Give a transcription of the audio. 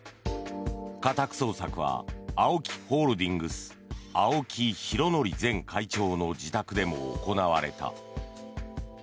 家宅捜索はＡＯＫＩホールディングス青木拡憲前会長の自宅でも行われた。